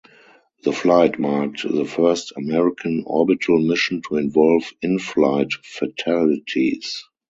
The flight marked the first American orbital mission to involve in-flight fatalities.